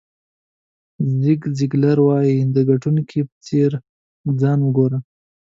زیګ زیګلر وایي د ګټونکي په څېر ځان وګوره.